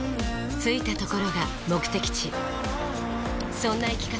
着いたところが目的地そんな生き方